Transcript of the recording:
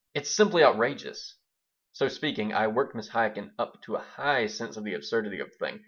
It's simply outrageous." So speaking, I worked Mrs. Chaikin up to a high sense of the absurdity of the thing.